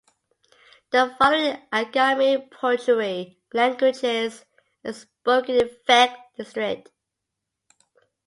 The following Angami-Pochuri languages are spoken in Phek district.